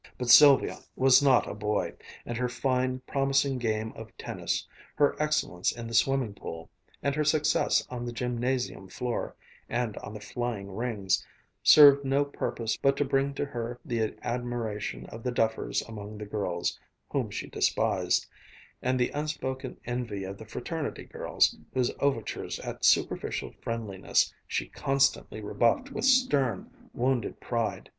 But Sylvia was not a boy, and her fine, promising game of tennis, her excellence in the swimming pool, and her success on the gymnasium floor and on the flying rings, served no purpose but to bring to her the admiration of the duffers among the girls, whom she despised, and the unspoken envy of the fraternity girls, whose overtures at superficial friendliness she constantly rebuffed with stern, wounded pride.